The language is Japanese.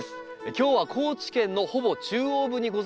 今日は高知県のほぼ中央部にございます